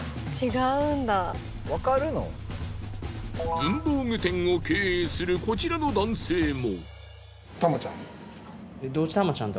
文房具店を経営するこちらの男性も。